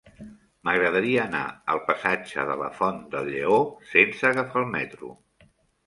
M'agradaria anar al passatge de la Font del Lleó sense agafar el metro.